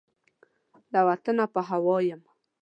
له وطنه په هوا یم